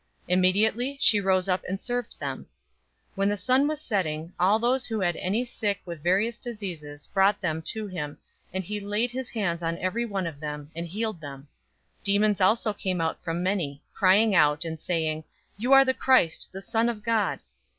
Immediately she rose up and served them. 004:040 When the sun was setting, all those who had any sick with various diseases brought them to him; and he laid his hands on every one of them, and healed them. 004:041 Demons also came out from many, crying out, and saying, "You are the Christ, the Son of God!"